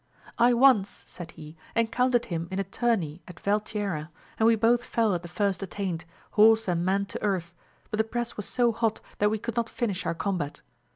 I once, said he, encountered him in a turney at Valtierra, and we both fell at the first attaint, horse and man to earth, but the press was so hot that we could not finish our combat.